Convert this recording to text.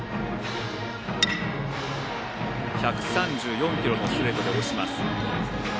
１３４キロのストレートで押します。